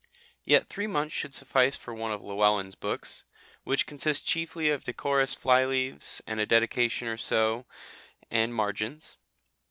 Yet three months should suffice for one of Llewellyn's books, which consist chiefly of decorous fly leaves and a dedication or so, and margins.